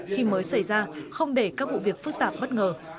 khi mới xảy ra không để các vụ việc phức tạp bất ngờ